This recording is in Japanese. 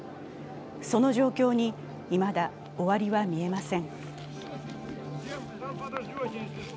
その状況にいまだ終わりは見えません。